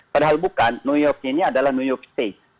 padahal bukan new york ini adalah new york state